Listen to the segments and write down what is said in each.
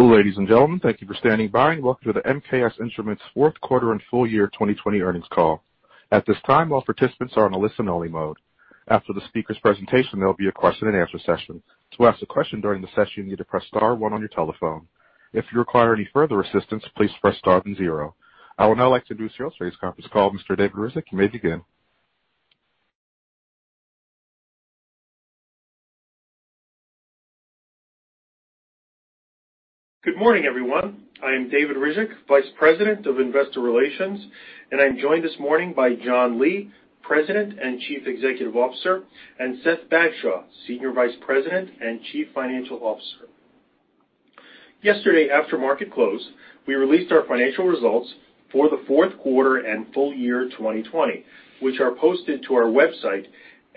Ladies and gentlemen, thank you for standing by and welcome to the MKS Instruments Fourth Quarter and Full year 2020 Earnings Call. At this time, all participants are on a listen-only mode. After the speaker's presentation, there'll be a question-and-answer session. To ask a question during the session, you need to press star one on your telephone. If you require any further assistance, please press star then zero. I would now like to introduce your today's conference call, Mr. David Ryzhik. You may begin. Good morning, everyone. I am David Ryzhik, Vice President of Investor Relations, and I'm joined this morning by John Lee, President and Chief Executive Officer, and Seth Bagshaw, Senior Vice President and Chief Financial Officer. Yesterday, after market close, we released our financial results for the fourth quarter and full year 2020, which are posted to our website,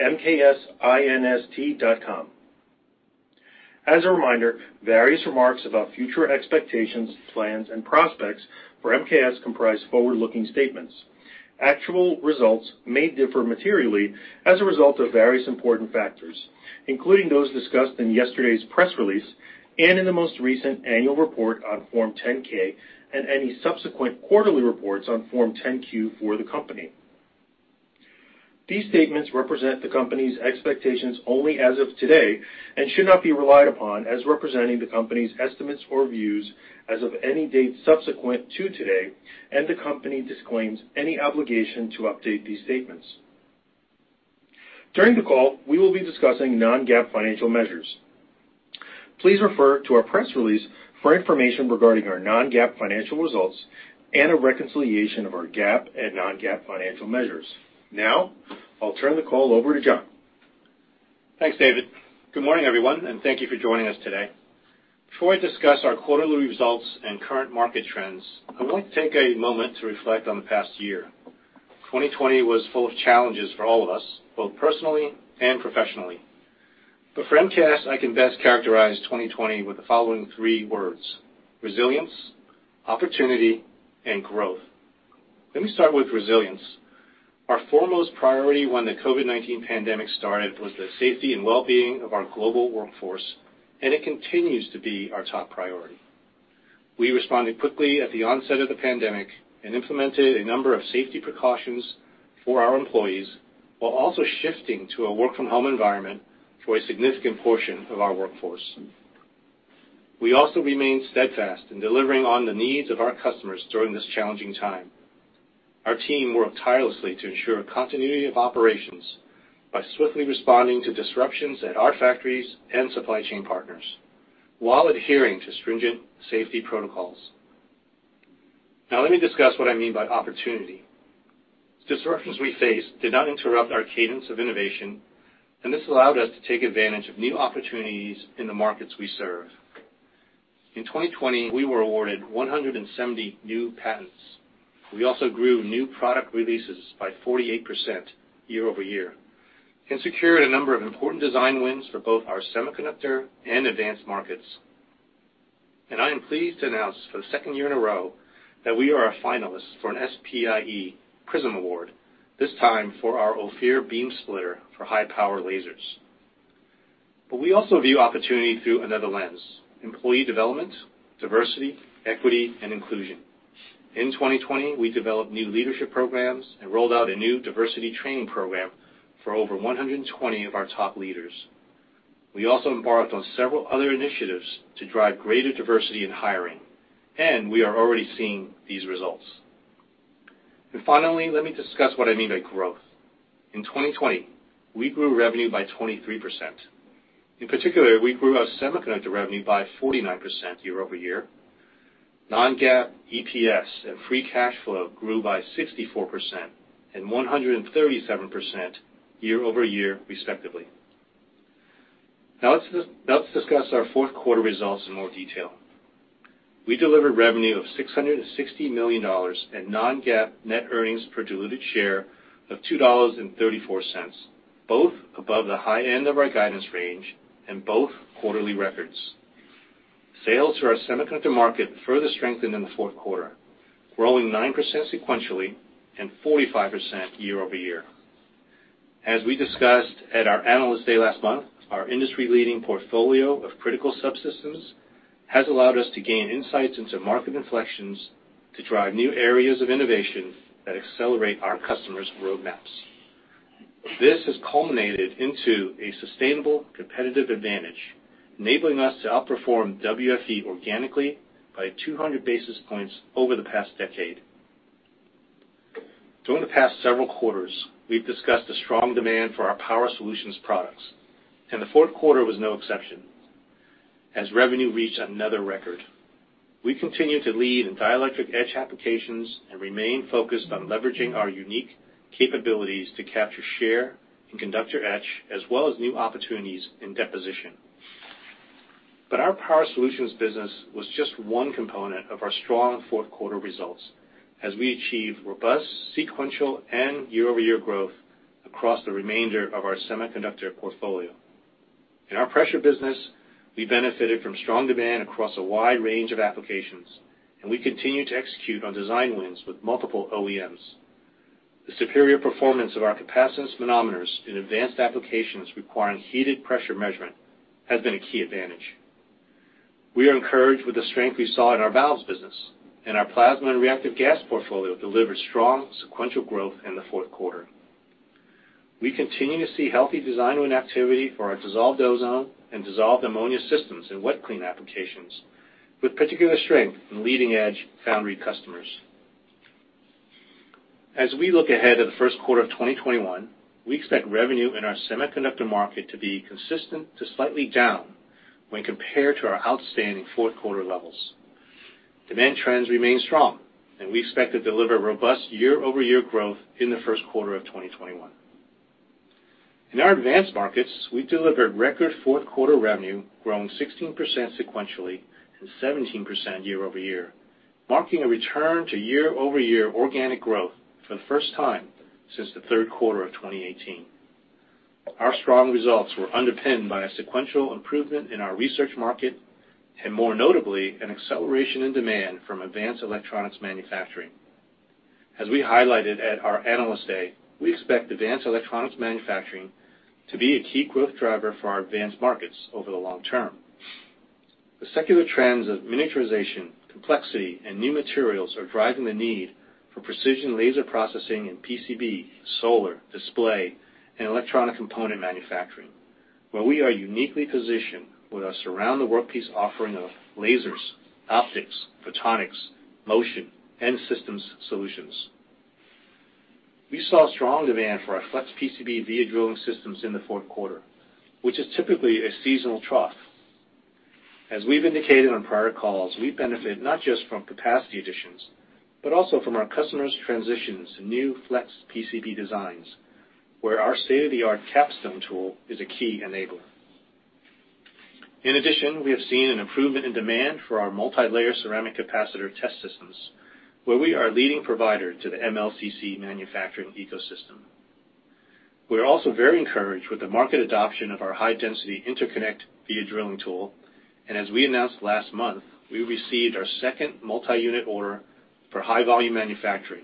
mksinst.com. As a reminder, various remarks about future expectations, plans, and prospects for MKS comprise forward-looking statements. Actual results may differ materially as a result of various important factors, including those discussed in yesterday's press release and in the most recent annual report on Form 10-K and any subsequent quarterly reports on Form 10-Q for the company. These statements represent the company's expectations only as of today and should not be relied upon as representing the company's estimates or views as of any date subsequent to today, and the company disclaims any obligation to update these statements. During the call, we will be discussing non-GAAP financial measures. Please refer to our press release for information regarding our non-GAAP financial results and a reconciliation of our GAAP and non-GAAP financial measures. Now, I'll turn the call over to John. Thanks, David. Good morning, everyone, and thank you for joining us today. Before I discuss our quarterly results and current market trends, I want to take a moment to reflect on the past year. 2020 was full of challenges for all of us, both personally and professionally. But for MKS, I can best characterize 2020 with the following three words: resilience, opportunity, and growth. Let me start with resilience. Our foremost priority when the COVID-19 pandemic started was the safety and well-being of our global workforce, and it continues to be our top priority. We responded quickly at the onset of the pandemic and implemented a number of safety precautions for our employees, while also shifting to a work-from-home environment for a significant portion of our workforce. We also remained steadfast in delivering on the needs of our customers during this challenging time. Our team worked tirelessly to ensure continuity of operations by swiftly responding to disruptions at our factories and supply chain partners, while adhering to stringent safety protocols. Now, let me discuss what I mean by opportunity. Disruptions we faced did not interrupt our cadence of innovation, and this allowed us to take advantage of new opportunities in the markets we serve. In 2020, we were awarded 170 new patents. We also grew new product releases by 48% year-over-year and secured a number of important design wins for both our semiconductor and advanced markets. I am pleased to announce for the second year in a row, that we are a finalist for an SPIE Prism Award, this time for our Ophir beam splitter for high-power lasers. We also view opportunity through another lens: employee development, diversity, equity, and inclusion. In 2020, we developed new leadership programs and rolled out a new diversity training program for over 120 of our top leaders. We also embarked on several other initiatives to drive greater diversity in hiring, and we are already seeing these results. Finally, let me discuss what I mean by growth. In 2020, we grew revenue by 23%. In particular, we grew our semiconductor revenue by 49% year-over-year. Non-GAAP EPS and free cash flow grew by 64% and 137% year-over-year, respectively. Now let's discuss our fourth quarter results in more detail. We delivered revenue of $660 million and non-GAAP net earnings per diluted share of $2.34, both above the high end of our guidance range and both quarterly records. Sales to our semiconductor market further strengthened in the fourth quarter, growing 9% sequentially and 45% year-over-year. As we discussed at our Analyst Day last month, our industry-leading portfolio of critical subsystems has allowed us to gain insights into market inflections to drive new areas of innovation that accelerate our customers' roadmaps. This has culminated into a sustainable competitive advantage, enabling us to outperform WFE organically by 200 basis points over the past decade. During the past several quarters, we've discussed the strong demand for our power solutions products, and the fourth quarter was no exception, as revenue reached another record. We continue to lead in dielectric etch applications and remain focused on leveraging our unique capabilities to capture share in conductor etch, as well as new opportunities in deposition. But our power solutions business was just one component of our strong fourth quarter results, as we achieved robust, sequential, and year-over-year growth across the remainder of our semiconductor portfolio. In our pressure business, we benefited from strong demand across a wide range of applications, and we continue to execute on design wins with multiple OEMs. The superior performance of our capacitance manometers in advanced applications requiring heated pressure measurement has been a key advantage. We are encouraged with the strength we saw in our valves business, and our plasma and reactive gas portfolio delivered strong sequential growth in the fourth quarter. We continue to see healthy design win activity for our dissolved ozone and dissolved ammonia systems in wet clean applications, with particular strength in leading-edge foundry customers. As we look ahead at the first quarter of 2021, we expect revenue in our semiconductor market to be consistent to slightly down when compared to our outstanding fourth quarter levels. Demand trends remain strong, and we expect to deliver robust year-over-year growth in the first quarter of 2021. In our advanced markets, we delivered record fourth quarter revenue, growing 16% sequentially and 17% year-over-year, marking a return to year-over-year organic growth for the first time since the third quarter of 2018. Our strong results were underpinned by a sequential improvement in our research market and, more notably, an acceleration in demand from advanced electronics manufacturing. As we highlighted at our Analyst Day, we expect advanced electronics manufacturing to be a key growth driver for our advanced markets over the long term. The secular trends of miniaturization, complexity, and new materials are driving the need for precision laser processing in PCB, solar, display, and electronic component manufacturing, where we are uniquely positioned with our Surround the Workpiece offering of lasers, optics, photonics, motion, and systems solutions. We saw strong demand for our Flex PCB via drilling systems in the fourth quarter, which is typically a seasonal trough. As we've indicated on prior calls, we benefit not just from capacity additions, but also from our customers' transitions to new Flex PCB designs, where our state-of-the-art Capstone tool is a key enabler. In addition, we have seen an improvement in demand for our multilayer ceramic capacitor test systems, where we are a leading provider to the MLCC manufacturing ecosystem. We are also very encouraged with the market adoption of our high-density interconnect via drilling tool, and as we announced last month, we received our second multi-unit order for high-volume manufacturing,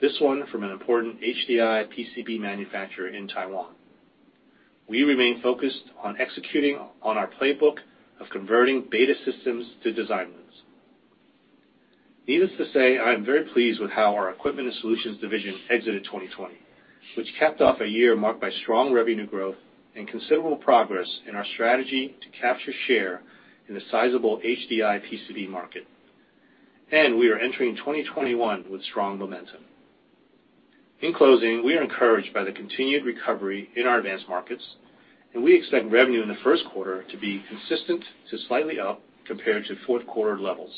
this one from an important HDI PCB manufacturer in Taiwan. We remain focused on executing on our playbook of converting beta systems to design wins. Needless to say, I am very pleased with how our Equipment and Solutions division exited 2020, which capped off a year marked by strong revenue growth and considerable progress in our strategy to capture share in the sizable HDI PCB market. We are entering 2021 with strong momentum. In closing, we are encouraged by the continued recovery in our advanced markets, and we expect revenue in the first quarter to be consistent to slightly up compared to fourth quarter levels,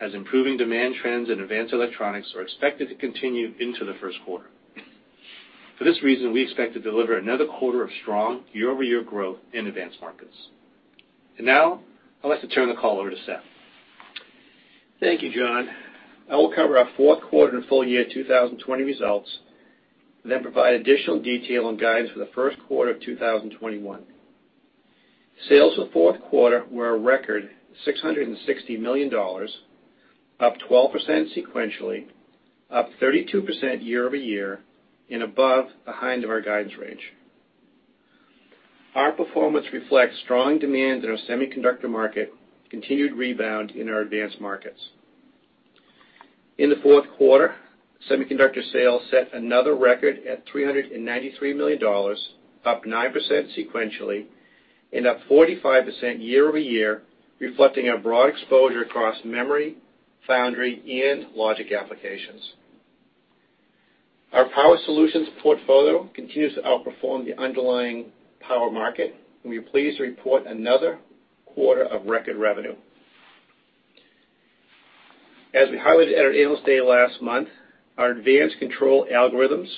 as improving demand trends in advanced electronics are expected to continue into the first quarter. For this reason, we expect to deliver another quarter of strong year-over-year growth in advanced markets. Now, I'd like to turn the call over to Seth. Thank you, John. I will cover our fourth quarter and full year 2020 results, then provide additional detail on guidance for the first quarter of 2021. Sales for the fourth quarter were a record $660 million, up 12% sequentially, up 32% year-over-year, and above the high end of our guidance range. Our performance reflects strong demand in our semiconductor market, continued rebound in our advanced markets. In the fourth quarter, semiconductor sales set another record at $393 million, up 9% sequentially and up 45% year-over-year, reflecting our broad exposure across memory, foundry, and logic applications. Our Power Solutions portfolio continues to outperform the underlying power market, and we are pleased to report another quarter of record revenue. As we highlighted at our Analyst Day last month, our advanced control algorithms,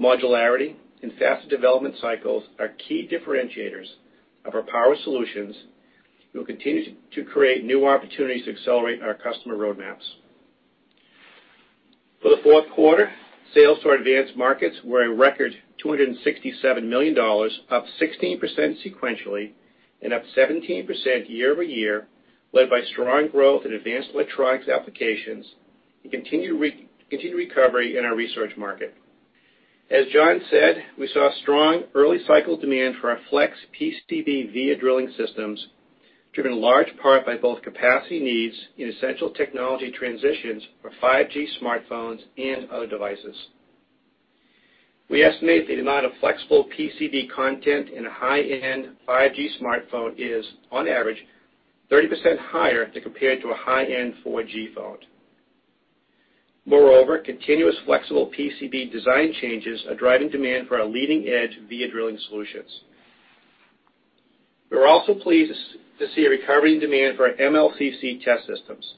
modularity, and faster development cycles are key differentiators of our power solutions, which will continue to create new opportunities to accelerate our customer roadmaps. For the fourth quarter, sales to our advanced markets were a record $267 million, up 16% sequentially and up 17% year-over-year, led by strong growth in advanced electronics applications and continued recovery in our research market. As John said, we saw strong early cycle demand for our flex PCB via drilling systems, driven in large part by both capacity needs and essential technology transitions for 5G smartphones and other devices. We estimate the amount of flexible PCB content in a high-end 5G smartphone is, on average, 30% higher to compare to a high-end 4G phone. Moreover, continuous flexible PCB design changes are driving demand for our leading-edge via drilling solutions. We're also pleased to see a recovery in demand for our MLCC test systems.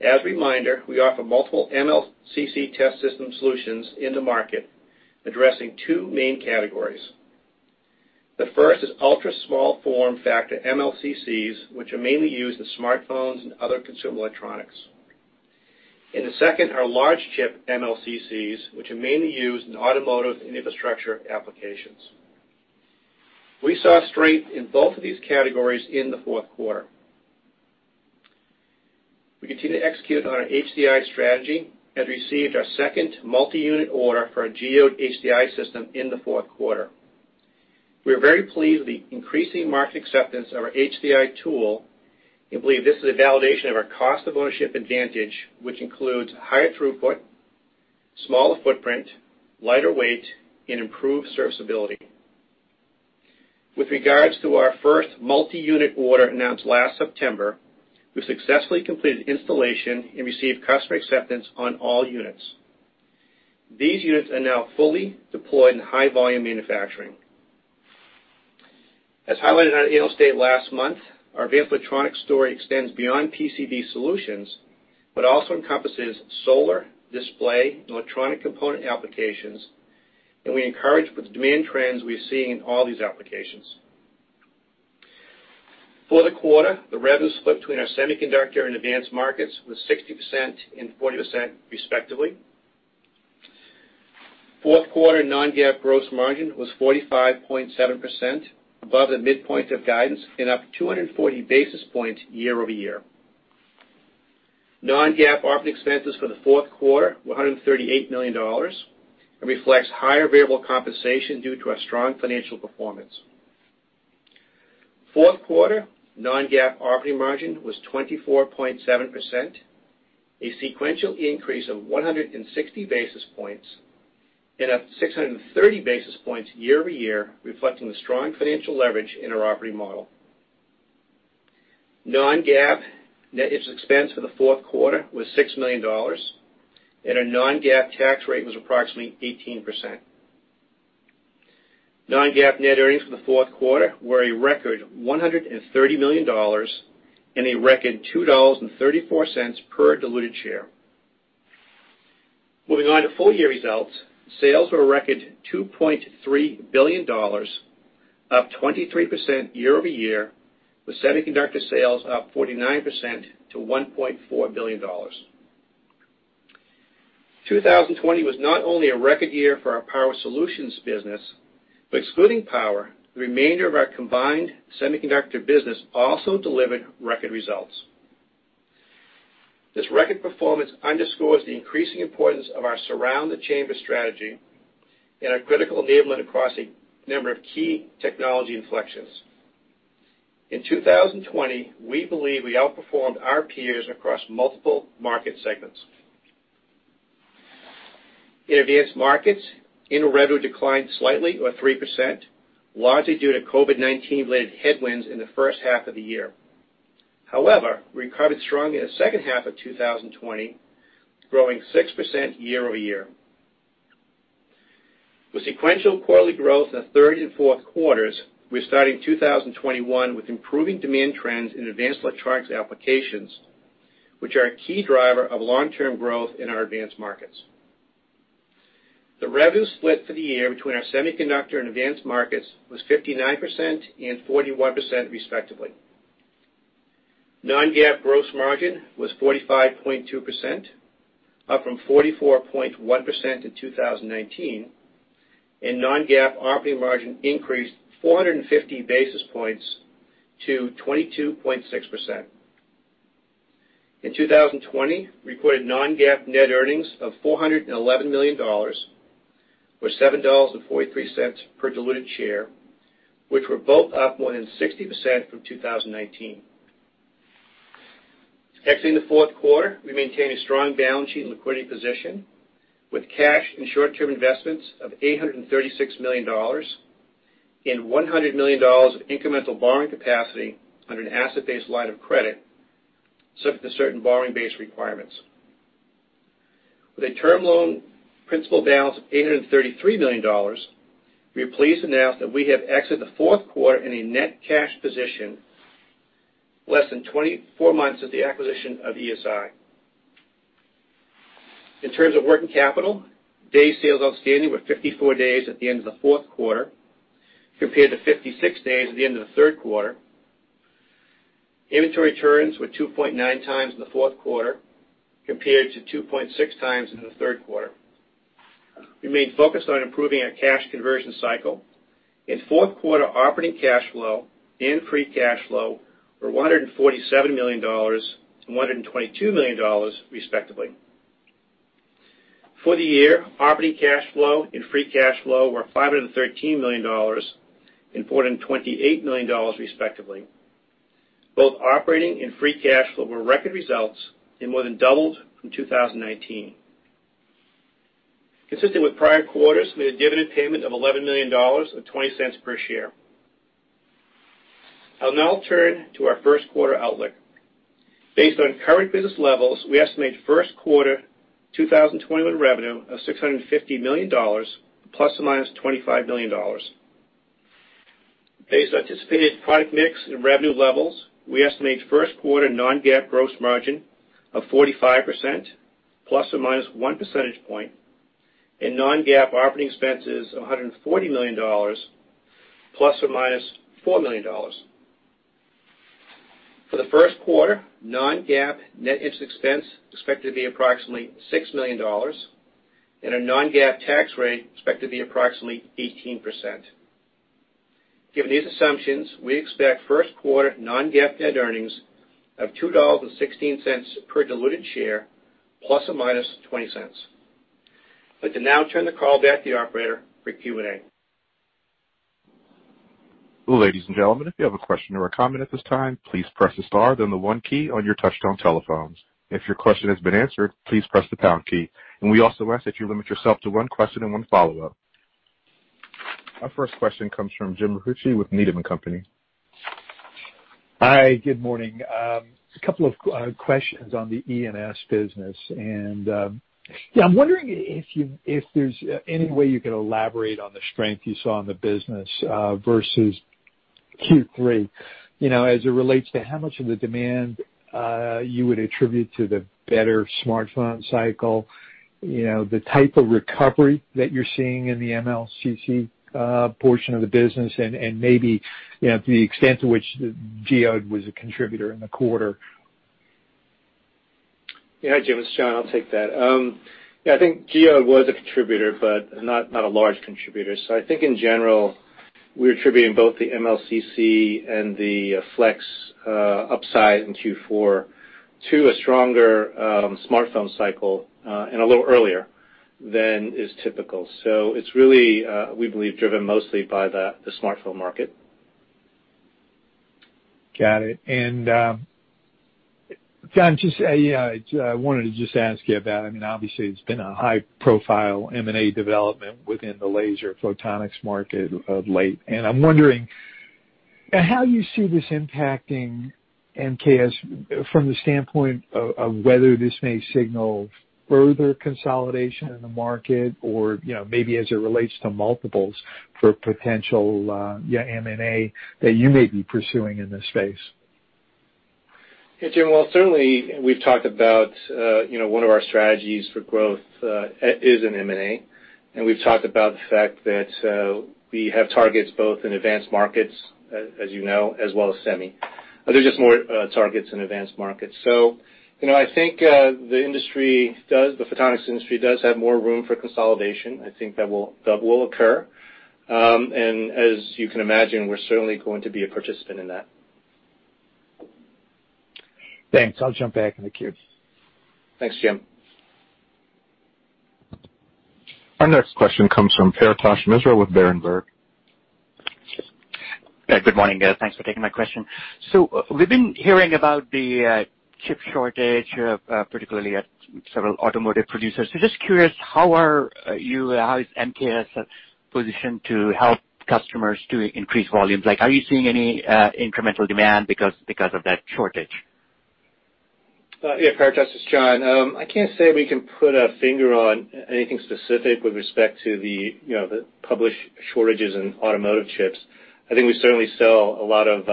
As a reminder, we offer multiple MLCC test system solutions in the market, addressing two main categories. The first is ultra-small form factor MLCCs, which are mainly used in smartphones and other consumer electronics. And the second are large chip MLCCs, which are mainly used in automotive and infrastructure applications. We saw strength in both of these categories in the fourth quarter. We continue to execute on our HDI strategy and received our second multi-unit order for our Geode HDI system in the fourth quarter. We are very pleased with the increasing market acceptance of our HDI tool and believe this is a validation of our cost of ownership advantage, which includes higher throughput, smaller footprint, lighter weight, and improved serviceability. With regards to our first multi-unit order announced last September, we successfully completed installation and received customer acceptance on all units. These units are now fully deployed in high volume manufacturing. As highlighted on our analyst day last month, our advanced electronics story extends beyond PCB solutions, but also encompasses solar, display, and electronic component applications, and we're encouraged with the demand trends we've seen in all these applications. For the quarter, the revenue split between our semiconductor and advanced markets was 60% and 40% respectively. Fourth quarter non-GAAP gross margin was 45.7%, above the midpoint of guidance and up 240 basis points year over year. Non-GAAP operating expenses for the fourth quarter were $138 million and reflects higher variable compensation due to our strong financial performance. Fourth quarter non-GAAP operating margin was 24.7%, a sequential increase of 160 basis points and up 630 basis points year-over-year, reflecting the strong financial leverage in our operating model. Non-GAAP net interest expense for the fourth quarter was $6 million, and our non-GAAP tax rate was approximately 18%. Non-GAAP net earnings for the fourth quarter were a record $130 million and a record $2.34 per diluted share. Moving on to full year results, sales were a record $2.3 billion, up 23% year-over-year, with semiconductor sales up 49% to $1.4 billion. 2020 was not only a record year for our Power Solutions business, but excluding Power, the remainder of our combined Semiconductor business also delivered record results. This record performance underscores the increasing importance of our surround the chamber strategy and our critical enablement across a number of key technology inflections. In 2020, we believe we outperformed our peers across multiple market segments. In advanced markets, end revenue declined slightly or 3%, largely due to COVID-19 related headwinds in the first half of the year. However, we recovered strong in the second half of 2020, growing 6% year-over-year. With sequential quarterly growth in the third and fourth quarters, we're starting 2021 with improving demand trends in advanced electronics applications, which are a key driver of long-term growth in our advanced markets. The revenue split for the year between our Semiconductor and Advanced markets was 59% and 41%, respectively. Non-GAAP gross margin was 45.2%, up from 44.1% in 2019, and non-GAAP operating margin increased 450 basis points to 22.6%. In 2020, we recorded non-GAAP net earnings of $411 million, or $7.43 per diluted share, which were both up more than 60% from 2019. Exiting the fourth quarter, we maintained a strong balance sheet and liquidity position, with cash and short-term investments of $836 million and $100 million of incremental borrowing capacity under an asset-based line of credit, subject to certain borrowing base requirements. With a term loan principal balance of $833 million, we are pleased to announce that we have exited the fourth quarter in a net cash position, less than 24 months of the acquisition of ESI. In terms of working capital, days sales outstanding were 54 days at the end of the fourth quarter, compared to 56 days at the end of the third quarter. Inventory turns were 2.9x in the fourth quarter, compared to 2.6x in the third quarter. We remain focused on improving our cash conversion cycle, and fourth quarter operating cash flow and free cash flow were $147 million and $122 million, respectively. For the year, operating cash flow and free cash flow were $513 million and $428 million, respectively. Both operating and free cash flow were record results and more than doubled from 2019. Consistent with prior quarters, we had a dividend payment of $11 million or $0.20 per share. I'll now turn to our first quarter outlook. Based on current business levels, we estimate first quarter 2021 revenue of $650 million, ±$25 million. Based on anticipated product mix and revenue levels, we estimate first quarter non-GAAP gross margin of 45%, ±1 percentage point, and non-GAAP operating expenses of $140 million, ±$4 million. For the first quarter, non-GAAP net interest expense is expected to be approximately $6 million, and our non-GAAP tax rate is expected to be approximately 18%. Given these assumptions, we expect first quarter non-GAAP net earnings of $2.16 per diluted share, ±$0.20. I'd like to now turn the call back to the operator for Q&A. Ladies and gentlemen, if you have a question or a comment at this time, please press the star, then the one key on your touchtone telephones. If your question has been answered, please press the pound key. We also ask that you limit yourself to one question and one follow-up. Our first question comes from Jim Ricchiuti with Needham and Company. Hi, good morning. A couple of questions on the E&S business. I'm wondering if there's any way you can elaborate on the strength you saw in the business versus Q3, you know, as it relates to how much of the demand you would attribute to the better smartphone cycle, you know, the type of recovery that you're seeing in the MLCC portion of the business, and maybe, you know, the extent to which Geode was a contributor in the quarter? Yeah. Hi, Jim, it's John. I'll take that. Yeah, I think Geode was a contributor, but not, not a large contributor. So I think in general, we're attributing both the MLCC and the flex upside in Q4 to a stronger smartphone cycle and a little earlier than is typical. So it's really we believe driven mostly by the smartphone market. Got it. And, John, just, yeah, I wanted to just ask you about, I mean, obviously, it's been a high profile M&A development within the laser photonics market of late. And I'm wondering, how you see this impacting MKS from the standpoint of, of whether this may signal further consolidation in the market, or, you know, maybe as it relates to multiples for potential, yeah, M&A that you may be pursuing in this space? Hey, Jim. Well, certainly, we've talked about, you know, one of our strategies for growth is in M&A, and we've talked about the fact that we have targets both in advanced markets, as, as you know, as well as semi. There are just more targets in advanced markets. So, you know, I think the industry does, the photonics industry does have more room for consolidation. I think that will, that will occur. And as you can imagine, we're certainly going to be a participant in that. Thanks. I'll jump back in the queue. Thanks, Jim. Our next question comes from Paretosh Misra with Berenberg. Yeah, good morning, guys. Thanks for taking my question. So we've been hearing about the chip shortage, particularly at several automotive producers. So just curious, how are you—how is MKS positioned to help customers to increase volumes? Like, are you seeing any incremental demand because of that shortage? Yeah, Paretosh, it's John. I can't say we can put a finger on anything specific with respect to the, you know, the published shortages in automotive chips. I think we certainly sell a lot of,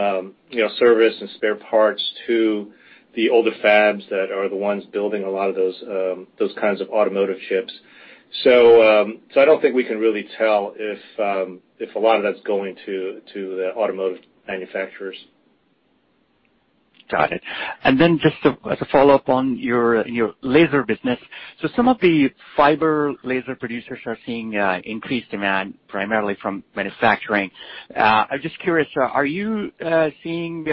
you know, service and spare parts to the older fabs that are the ones building a lot of those, those kinds of automotive chips. So, so I don't think we can really tell if, if a lot of that's going to, to the automotive manufacturers. Got it. And then just as a follow-up on your laser business. So some of the fiber laser producers are seeing increased demand, primarily from manufacturing. I'm just curious, are you seeing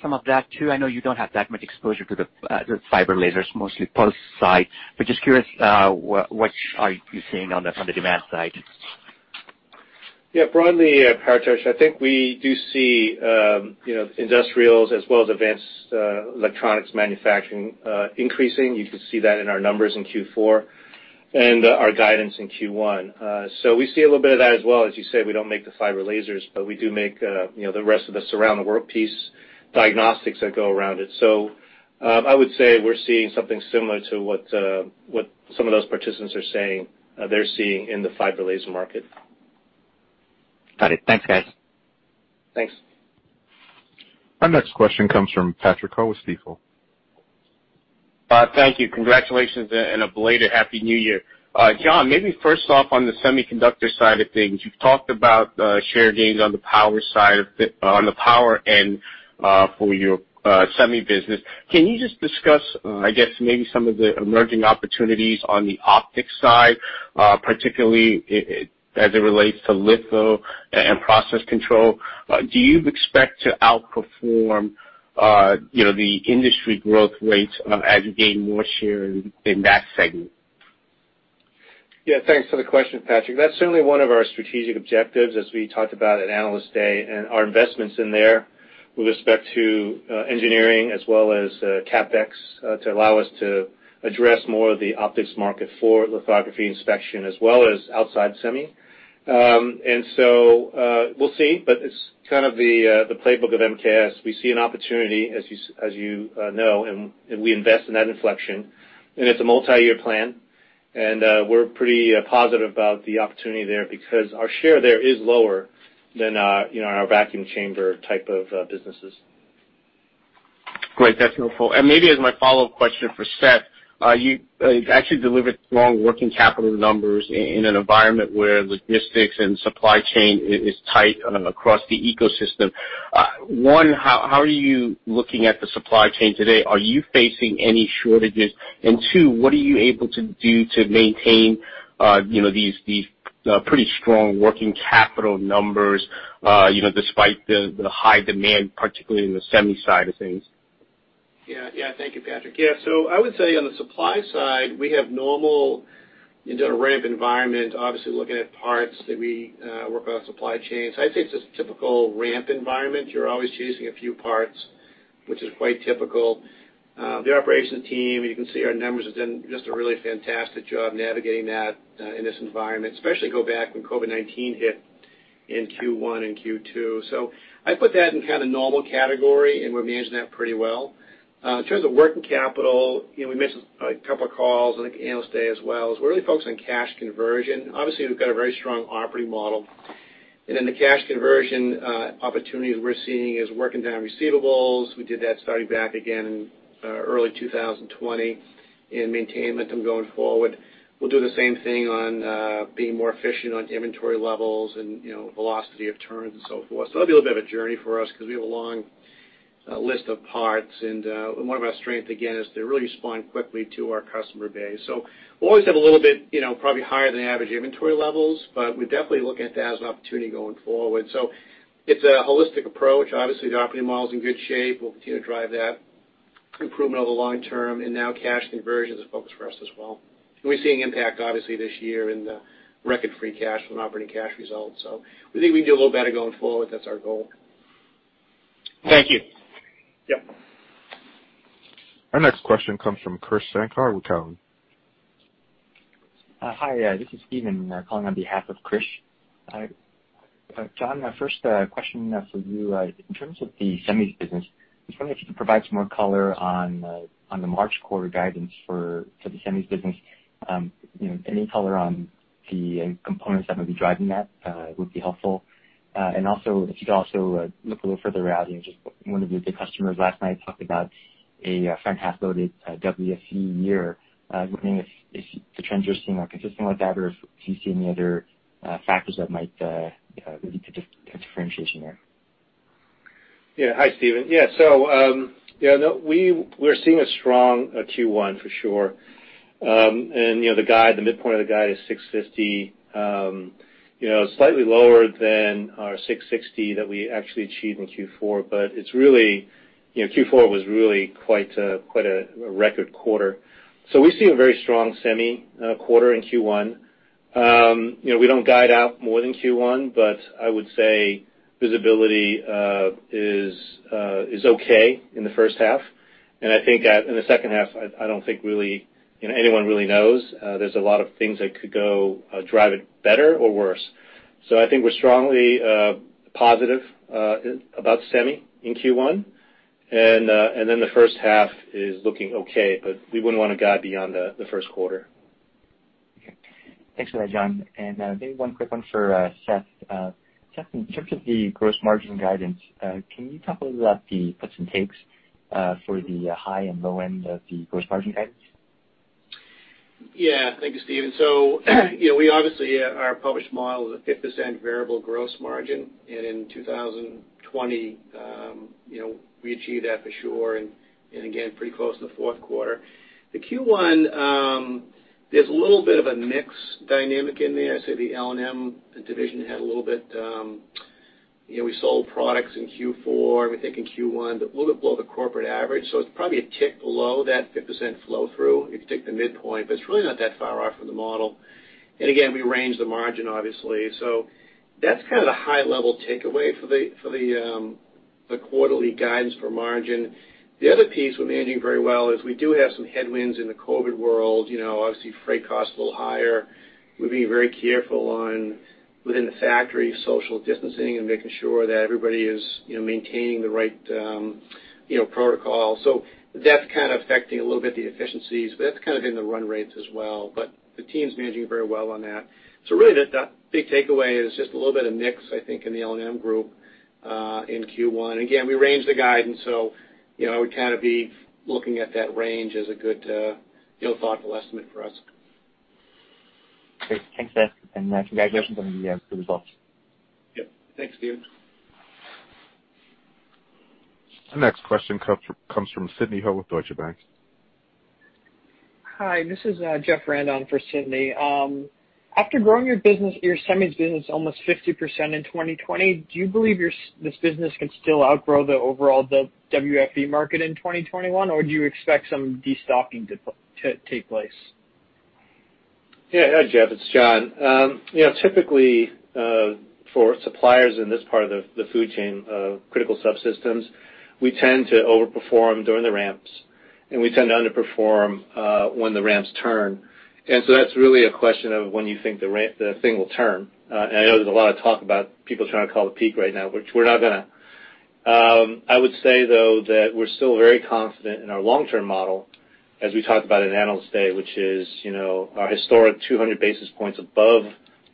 some of that, too? I know you don't have that much exposure to the fiber lasers, mostly pulse side, but just curious, what are you seeing on the demand side? Yeah, broadly, Paretosh, I think we do see, you know, industrials as well as advanced, electronics manufacturing, increasing. You could see that in our numbers in Q4 and our guidance in Q1. So we see a little bit of that as well. As you said, we don't make the fiber lasers, but we do make, you know, the rest of the surround workpiece diagnostics that go around it. So, I would say we're seeing something similar to what some of those participants are saying, they're seeing in the fiber laser market. Got it. Thanks, guys. Thanks. Our next question comes from Patrick Ho with Stifel. Thank you. Congratulations, and a belated Happy New Year. John, maybe first off, on the semiconductor side of things, you've talked about share gains on the power end for your semi business. Can you just discuss, I guess, maybe some of the emerging opportunities on the optics side, particularly as it relates to litho and process control? Do you expect to outperform, you know, the industry growth rates as you gain more share in that segment? Yeah, thanks for the question, Patrick. That's certainly one of our strategic objectives, as we talked about at Analyst Day, and our investments in there with respect to engineering as well as CapEx to allow us to address more of the optics market for lithography inspection, as well as outside semi. And so, we'll see, but it's kind of the playbook of MKS. We see an opportunity, as you know, and we invest in that inflection, and it's a multi-year plan, and we're pretty positive about the opportunity there because our share there is lower than, you know, our vacuum chamber type of businesses. Great. That's helpful. And maybe as my follow-up question for Seth, you actually delivered strong working capital numbers in an environment where logistics and supply chain is tight across the ecosystem. One, how are you looking at the supply chain today? Are you facing any shortages? And two, what are you able to do to maintain, you know, these pretty strong working capital numbers, you know, despite the high demand, particularly in the semi side of things? Yeah. Yeah. Thank you, Patrick. Yeah, so I would say on the supply side, we have normal into a ramp environment, obviously looking at parts that we, work on supply chains. I'd say it's just typical ramp environment. You're always chasing a few parts, which is quite typical. The operations team, you can see our numbers, has done just a really fantastic job navigating that, in this environment, especially go back when COVID-19 hit in Q1 and Q2. So I put that in kind of normal category, and we're managing that pretty well. In terms of working capital, you know, we mentioned a couple of calls, I think Analyst Day as well, is we're really focused on cash conversion. Obviously, we've got a very strong operating model, and then the cash conversion, opportunities we're seeing is working down receivables. We did that starting back again in early 2020, and maintain momentum going forward. We'll do the same thing on being more efficient on inventory levels and, you know, velocity of turns and so forth. So that'll be a bit of a journey for us because we have a long list of parts, and one of our strength, again, is to really respond quickly to our customer base. So we'll always have a little bit, you know, probably higher than average inventory levels, but we're definitely looking at that as an opportunity going forward. So it's a holistic approach. Obviously, the operating model is in good shape. We'll continue to drive that improvement over the long term, and now cash conversion is a focus for us as well. And we're seeing impact, obviously, this year in the record free cash from operating cash results. We think we can do a little better going forward. That's our goal. Thank you. Yep. Our next question comes from Krish Sankar with Cowen. Hi, this is Steven calling on behalf of Krish. John, first question for you. In terms of the semis business, I was wondering if you could provide some more color on the March quarter guidance for the semis business. You know, any color on the components that may be driving that would be helpful. And also, if you could look a little further out, you know, just one of the big customers last night talked about a front half loaded WFE year. Wondering if the trends you're seeing are consistent with that, or if you see any other factors that might lead to differentiation there? Yeah. Hi, Steven. Yeah, so, yeah, no, we're seeing a strong Q1 for sure. And, you know, the guide, the midpoint of the guide is $650. You know, slightly lower than our $660 million that we actually achieved in Q4, but it's really, you know, Q4 was really quite, quite a record quarter. So we see a very strong semi quarter in Q1. You know, we don't guide out more than Q1, but I would say visibility is okay in the first half. And I think that in the second half, I don't think really, you know, anyone really knows. There's a lot of things that could go drive it better or worse. So I think we're strongly positive about semi in Q1, and then the first half is looking okay, but we wouldn't want to guide beyond the first quarter. Okay. Thanks for that, John. And, maybe one quick one for, Seth. Seth, in terms of the gross margin guidance, can you talk a little about the puts and takes, for the high and low end of the gross margin guidance? Yeah. Thank you, Steven. So, you know, we obviously, our published model is a 50% variable gross margin, and in 2020, you know, we achieved that for sure, and, and again, pretty close in the fourth quarter. The Q1, there's a little bit of a mix dynamic in there. I'd say the L&M division had a little bit, you know, we sold products in Q4, we think in Q1, but a little bit below the corporate average, so it's probably a tick below that 50% flow through, if you take the midpoint, but it's really not that far off from the model. And again, we range the margin, obviously. So that's kind of the high level takeaway for the, for the, the quarterly guidance for margin. The other piece we're managing very well is we do have some headwinds in the COVID world. You know, obviously, freight costs a little higher. We're being very careful on within the factory, social distancing, and making sure that everybody is, you know, maintaining the right, you know, protocol. So that's kind of affecting a little bit the efficiencies, but that's kind of in the run rates as well. But the team's managing very well on that. So really, the big takeaway is just a little bit of mix, I think, in the L&M group, in Q1. Again, we range the guidance, so you know, I would kind of be looking at that range as a good, you know, thoughtful estimate for us. Great. Thanks, Seth, and congratulations on the good results. Yep. Thanks, Steven. Our next question comes from Sidney Ho with Deutsche Bank. Hi, this is Jeff Rand for Sidney Ho. After growing your business, your semis business, almost 50% in 2020, do you believe your semis business can still outgrow the overall WFE market in 2021, or do you expect some destocking to take place? Yeah. Hi, Jeff, it's John. You know, typically, for suppliers in this part of the, the food chain, critical subsystems, we tend to overperform during the ramps, and we tend to underperform, when the ramps turn. And so that's really a question of when you think the ramp, the thing will turn. And I know there's a lot of talk about people trying to call the peak right now, which we're not gonna. I would say, though, that we're still very confident in our long-term model, as we talked about in Analyst Day, which is, you know, our historic 200 basis points above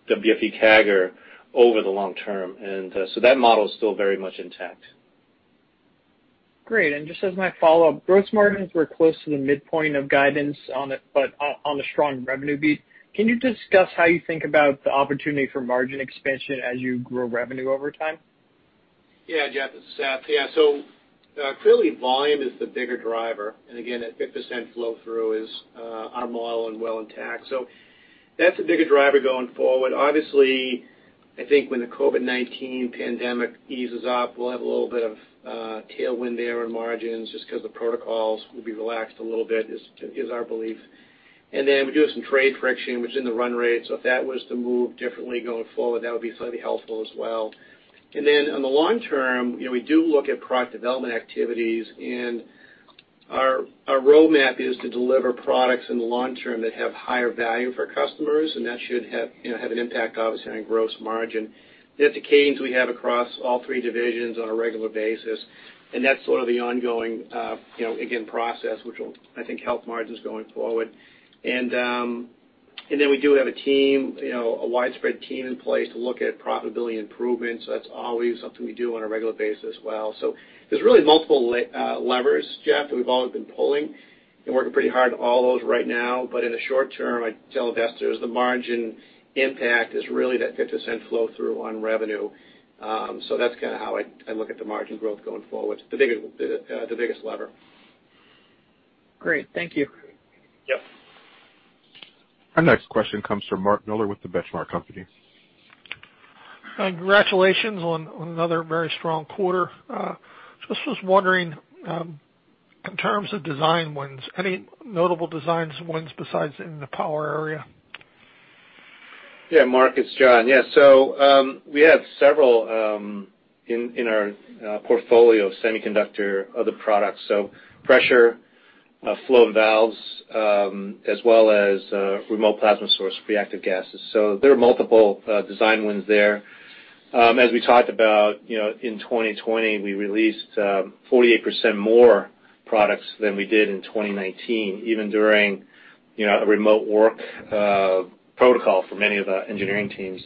WFE CAGR over the long term. And, so that model is still very much intact. Great, and just as my follow-up, gross margins were close to the midpoint of guidance on it, but on the strong revenue beat. Can you discuss how you think about the opportunity for margin expansion as you grow revenue over time? Yeah, Jeff, this is Seth. Yeah, so, clearly, volume is the bigger driver, and again, that 50% flow-through is our model and well intact. So that's the bigger driver going forward. Obviously, I think when the COVID-19 pandemic eases up, we'll have a little bit of tailwind there in margins just 'cause the protocols will be relaxed a little bit; is our belief. And then we do have some trade friction, which is in the run rate, so if that was to move differently going forward, that would be slightly helpful as well. And then on the long term, you know, we do look at product development activities, and our roadmap is to deliver products in the long term that have higher value for customers, and that should have, you know, have an impact, obviously, on gross margin. We have the cadence we have across all three divisions on a regular basis, and that's sort of the ongoing, you know, again, process, which will, I think, help margins going forward. And, and then we do have a team, you know, a widespread team in place to look at profitability improvements. So that's always something we do on a regular basis as well. So there's really multiple levers, Jeff, that we've always been pulling and working pretty hard to all those right now, but in the short term, I'd tell investors the margin impact is really that 50% flow-through on revenue. So that's kind of how I look at the margin growth going forward, the bigger, the biggest lever. Great. Thank you. Yep. Our next question comes from Mark Miller with The Benchmark Company. Congratulations on another very strong quarter. So I was just wondering, in terms of design wins, any notable design wins besides in the power area? Yeah, Mark, it's John. Yeah, so, we have several in our portfolio of semiconductor other products, so pressure, flow and valves, as well as, remote plasma source reactive gases. So there are multiple design wins there. As we talked about, you know, in 2020, we released 48% more products than we did in 2019, even during, you know, a remote work protocol for many of the engineering teams.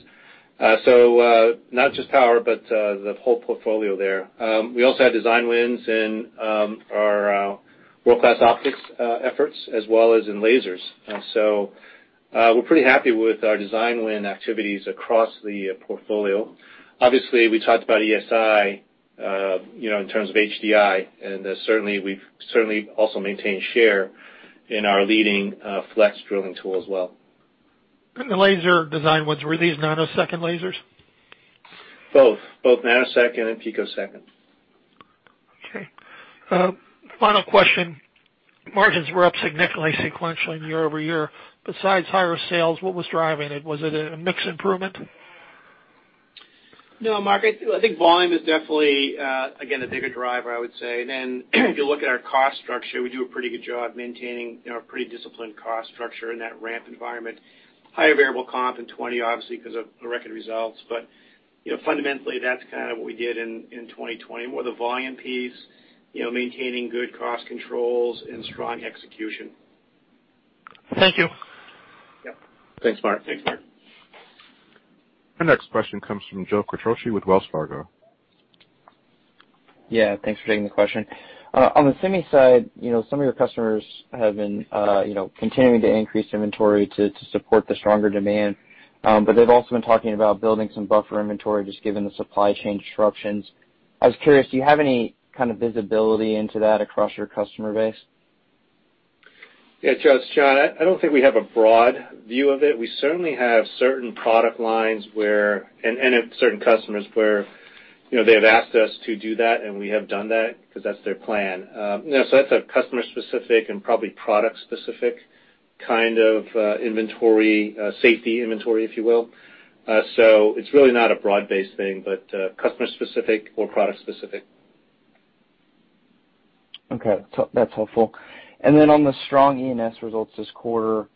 So, not just power, but, the whole portfolio there. We also had design wins in, our world-class optics efforts, as well as in lasers. So, we're pretty happy with our design win activities across the portfolio. Obviously, we talked about ESI, you know, in terms of HDI, and certainly, we've certainly also maintained share in our leading flex drilling tool as well. The laser design wins, were these nanosecond lasers? Both. Both nanosecond and picosecond. Okay. Final question. Margins were up significantly, sequentially year over year. Besides higher sales, what was driving it? Was it a mixed improvement? No, Mark, I think volume is definitely again a bigger driver, I would say. Then, if you look at our cost structure, we do a pretty good job maintaining, you know, a pretty disciplined cost structure in that ramp environment. Higher variable comp in 2020, obviously, because of the record results. But, you know, fundamentally, that's kind of what we did in 2020, where the volume piece, you know, maintaining good cost controls and strong execution. Thank you. Yep. Thanks, Mark. Thanks, Mark. Our next question comes from Joe Quatrochi with Wells Fargo. Yeah, thanks for taking the question. On the semi side, you know, some of your customers have been, you know, continuing to increase inventory to support the stronger demand, but they've also been talking about building some buffer inventory, just given the supply chain disruptions. I was curious, do you have any kind of visibility into that across your customer base? Yeah, Joe, it's John. I, I don't think we have a broad view of it. We certainly have certain product lines where. And certain customers, where, you know, they have asked us to do that, and we have done that because that's their plan. You know, so that's a customer-specific and probably product-specific kind of, inventory, safety inventory, if you will. So it's really not a broad-based thing, but, customer-specific or product-specific. Okay, so that's helpful. And then on the strong E&S results this quarter,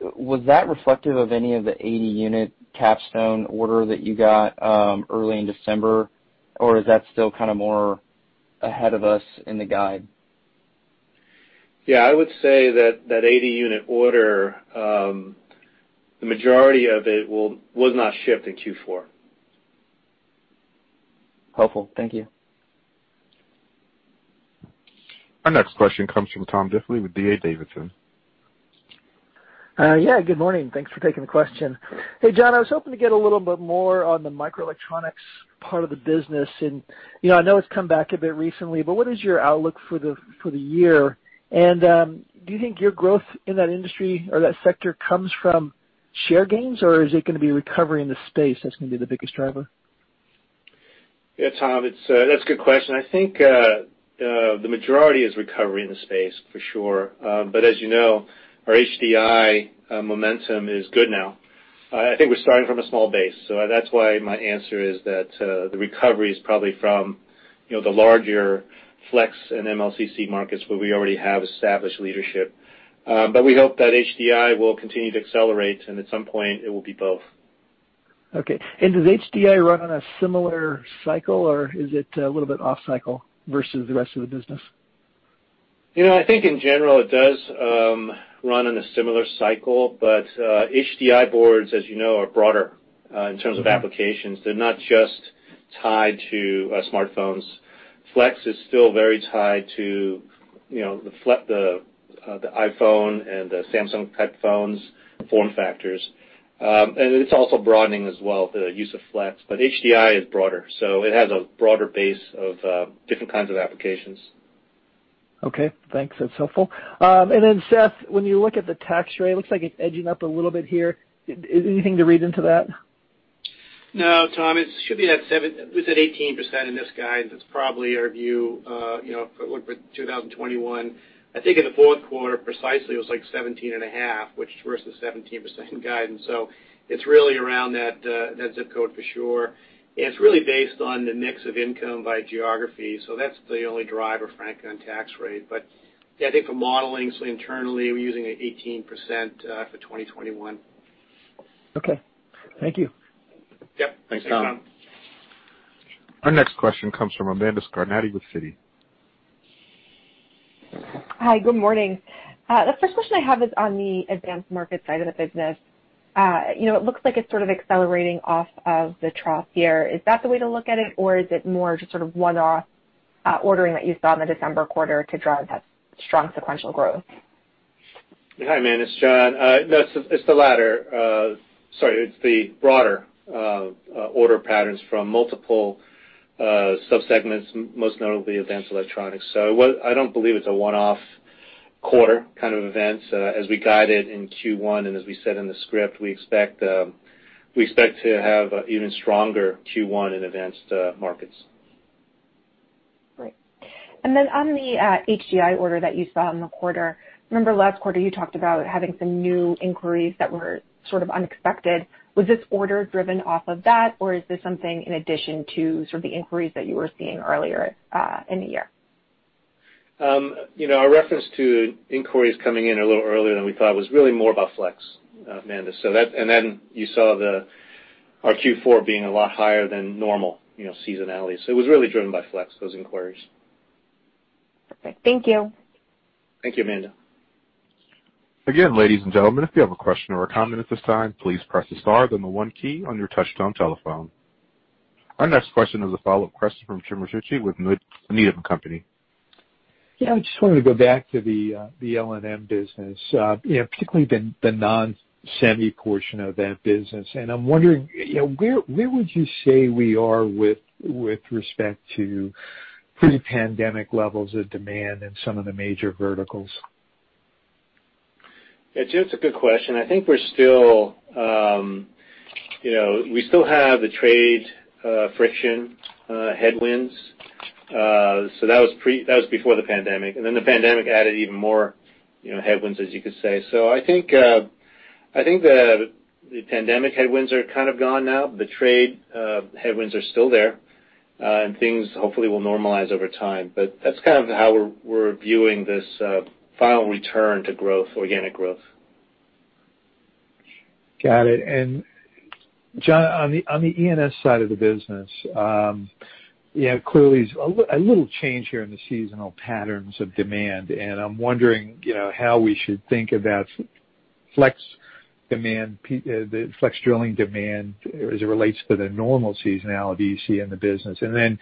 was that reflective of any of the 80-unit Capstone order that you got early in December, or is that still kind of more ahead of us in the guide? Yeah, I would say that that 80-unit order, the majority of it was not shipped in Q4. Helpful. Thank you. Our next question comes from Tom Diffely with D.A. Davidson. Yeah, good morning. Thanks for taking the question. Hey, John, I was hoping to get a little bit more on the microelectronics part of the business, and, you know, I know it's come back a bit recently, but what is your outlook for the year? And, do you think your growth in that industry or that sector comes from share gains, or is it gonna be recovery in the space that's gonna be the biggest driver? Yeah, Tom, it's—that's a good question. I think, the majority is recovery in the space, for sure. But as you know, our HDI momentum is good now. I think we're starting from a small base, so that's why my answer is that, the recovery is probably from, you know, the larger flex and MLCC markets where we already have established leadership. But we hope that HDI will continue to accelerate, and at some point, it will be both. Okay. Does HDI run on a similar cycle, or is it a little bit off cycle versus the rest of the business? You know, I think in general, it does run in a similar cycle, but HDI boards, as you know, are broader in terms of applications. They're not just tied to smartphones. Flex is still very tied to, you know, the iPhone and the Samsung-type phones, form factors. And it's also broadening as well, the use of flex, but HDI is broader, so it has a broader base of different kinds of applications. Okay, thanks. That's helpful. And then Seth, when you look at the tax rate, it looks like it's edging up a little bit here. Is anything to read into that? No, Tom, it should be at 17%. It's at 18% in this guide. It's probably our view, you know, if I look for 2021, I think in the fourth quarter, precisely, it was like 17.5%, which versus 17% guidance. So it's really around that, that zip code for sure. And it's really based on the mix of income by geography, so that's the only driver, frankly, on tax rate. But yeah, I think for modeling, so internally, we're using 18%, for 2021. Okay. Thank you. Yep. Thanks, Tom. Thanks, Tom. Our next question comes from Amanda Scarnati with Citi. Hi, good morning. The first question I have is on the advanced market side of the business. You know, it looks like it's sort of accelerating off of the trough year. Is that the way to look at it, or is it more just sort of one-off ordering that you saw in the December quarter to drive that strong sequential growth? Hi, Amanda, it's John. No, it's the latter. Sorry, it's the broader order patterns from multiple subsegments, most notably advanced electronics. So, I don't believe it's a one-off quarter kind of event, as we guided in Q1, and as we said in the script, we expect to have even stronger Q1 in advanced markets. Great. And then on the HDI order that you saw in the quarter, I remember last quarter you talked about having some new inquiries that were sort of unexpected. Was this order driven off of that, or is this something in addition to sort of the inquiries that you were seeing earlier in the year? You know, our reference to inquiries coming in a little earlier than we thought was really more about flex, Amanda. So that. And then you saw our Q4 being a lot higher than normal, you know, seasonality. So it was really driven by flex, those inquiries. Perfect. Thank you. Thank you, Amanda. Again, ladies and gentlemen, if you have a question or a comment at this time, please press the star, then the one key on your touchtone telephone. Our next question is a follow-up question from Jim Ricchiuti with Needham & Company. Yeah, I just wanted to go back to the, the L&M business, you know, particularly the, the non-semi portion of that business. I'm wondering, you know, where, where would you say we are with, with respect to pre-pandemic levels of demand in some of the major verticals? Yeah, Jim, it's a good question. I think we're still, you know, we still have the trade friction headwinds. So that was before the pandemic, and then the pandemic added even more, you know, headwinds, as you could say. So I think the pandemic headwinds are kind of gone now. The trade headwinds are still there, and things hopefully will normalize over time. But that's kind of how we're viewing this final return to growth, organic growth. Got it. And John, on the E&S side of the business, you know, clearly a little change here in the seasonal patterns of demand, and I'm wondering, you know, how we should think about flex demand, the flex drilling demand as it relates to the normal seasonality you see in the business. And then,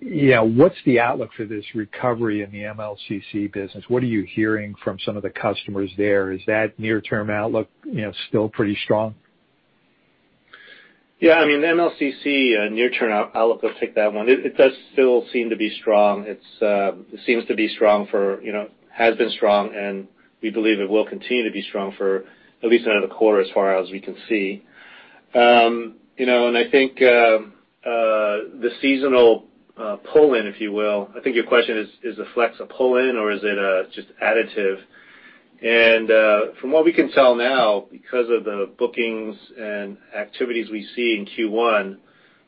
you know, what's the outlook for this recovery in the MLCC business? What are you hearing from some of the customers there? Is that near-term outlook, you know, still pretty strong? Yeah. I mean, MLCC, near-term outlook, I'll take that one. It does still seem to be strong. It seems to be strong for, you know, has been strong, and we believe it will continue to be strong for at least another quarter, as far as we can see. You know, and I think, the seasonal pull-in, if you will, I think your question is, is the flex a pull-in or is it just additive? And from what we can tell now, because of the bookings and activities we see in Q1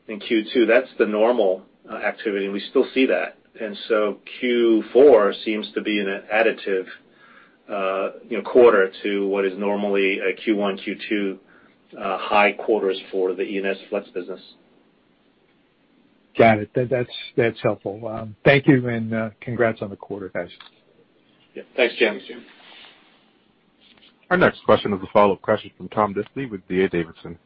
and Q2, that's the normal activity, and we still see that. And so Q4 seems to be an additive, you know, quarter to what is normally a Q1, Q2 high quarters for the E&S flex business. Got it. That's, that's helpful. Thank you, and congrats on the quarter, guys. Yeah. Thanks, Jim. Thanks, Jim. Our next question is a follow-up question from Tom Diffely with D.A. Davidson.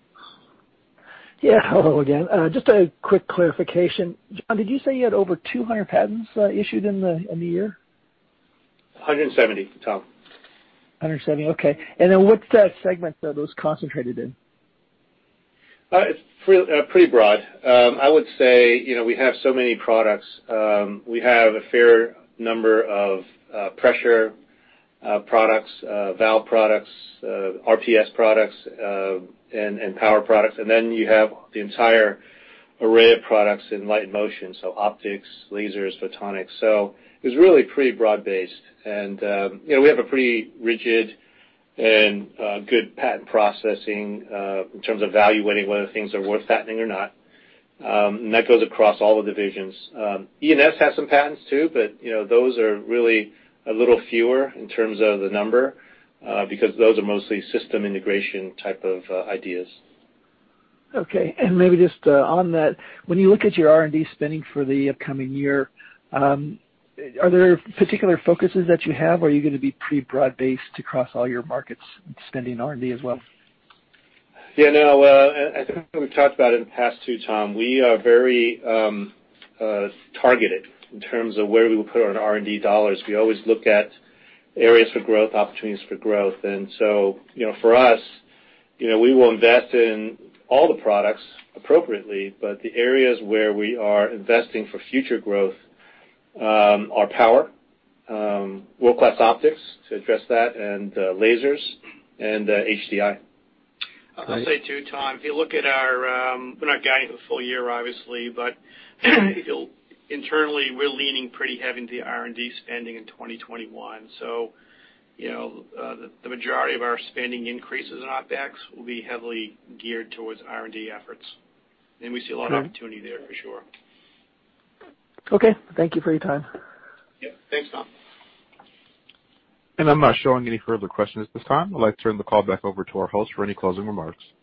Yeah, hello again. Just a quick clarification. John, did you say you had over 200 patents issued in the year? 170, Tom. 170. Okay, and then what segments are those concentrated in? It's pretty broad. I would say, you know, we have so many products. We have a fair number of pressure products, valve products, RPS products, and power products, and then you have the entire array of products in Light and Motion, so optics, lasers, photonics. So it's really pretty broad-based. And you know, we have a pretty rigid and good patent processing in terms of evaluating whether things are worth patenting or not, and that goes across all the divisions. E&S has some patents, too, but you know, those are really a little fewer in terms of the number because those are mostly system integration type of ideas. Okay, and maybe just on that, when you look at your R&D spending for the upcoming year, are there particular focuses that you have, or are you gonna be pretty broad-based across all your markets, spending R&D as well? Yeah, no, I think we've talked about it in the past, too, Tom. We are very targeted in terms of where we will put our R&D dollars. We always look at areas for growth, opportunities for growth. And so, you know, for us, you know, we will invest in all the products appropriately, but the areas where we are investing for future growth are power, world-class optics, to address that, and lasers and HDI. I'll say, too, Tom, if you look at our. We're not guiding for the full year, obviously, but internally, we're leaning pretty heavy into the R&D spending in 2021. So, you know, the majority of our spending increases in OpEx will be heavily geared towards R&D efforts. And we see a lot of opportunity there, for sure. Okay. Thank you for your time. Yeah. Thanks, Tom. I'm not showing any further questions at this time. I'd like to turn the call back over to our host for any closing remarks.